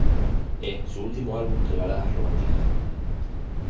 Es su último álbum de baladas románticas.